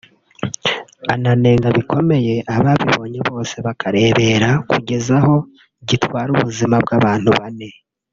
ananenga bikomeye ababibonye bose bakarebera kugeza aho gitwara ubuzima bw’abantu bane